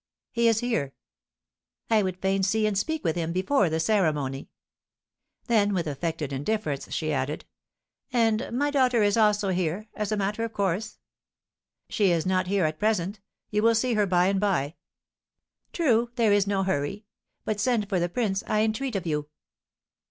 "He is here." "I would fain see and speak with him before the ceremony." Then, with affected indifference, she added, "And my daughter is also here, as a matter of course?" "She is not here at present; you will see her by and by." "True, there is no hurry; but send for the prince, I entreat of you."